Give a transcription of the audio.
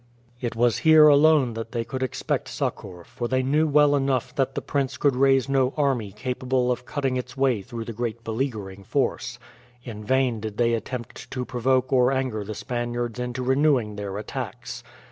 It was here alone that they could expect succour, for they knew well enough that the prince could raise no army capable of cutting its way through the great beleaguering force. In vain did they attempt to provoke or anger the Spaniards into renewing their attacks.